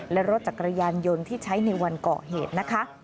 และรถจักรยานยนต์ที่ใช้ในวันเกาะเหตุนะคะ